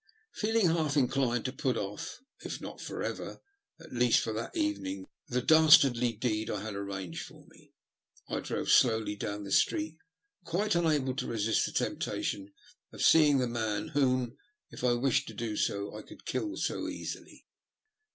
Feeling half inclined to put off — if not for ever, at least for that evening the dastardly deed I had had arranged for me — I drove slowly down the street, quite unable to resist the temptation of seeing the man whom, if I wished to do so, I could kill so easily.